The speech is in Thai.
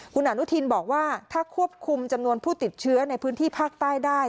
คุณอนุทินบอกว่าถ้าควบคุมจำนวนผู้ติดเชื้อในพื้นที่ภาคใต้ได้